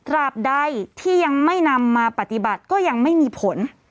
บใดที่ยังไม่นำมาปฏิบัติก็ยังไม่มีผล